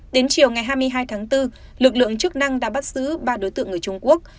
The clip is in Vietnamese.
đến chiều ngày hai mươi hai tháng bốn lực lượng chức năng đã bắt giữ ba đối tượng người trung quốc